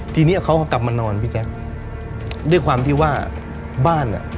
ทีนี้เขาก็กลับมานอนพี่แจ๊คด้วยความที่ว่าบ้านอ่ะ